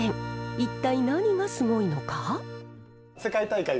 一体何がスゴいのか？